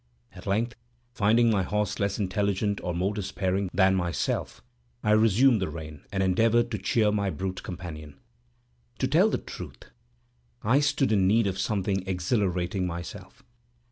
At length, finding my horse less intelligent or more despairing than myself, I resumed the rein, and endeavored to cheer my brute companion. To tell the truth, I stood in need of something exhilarating myself.